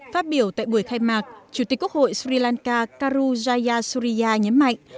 phát biểu tại buổi khai mạc chủ tịch quốc hội sri lanka karajaya surya nhấn mạnh